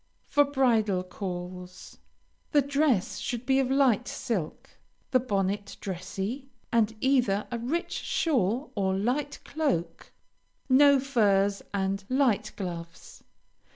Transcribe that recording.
FOR BRIDAL CALLS The dress should be of light silk, the bonnet dressy, and either a rich shawl or light cloak; no furs, and light gloves.